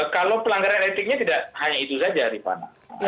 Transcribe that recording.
kalau pelanggaran elektriknya tidak hanya itu saja ripana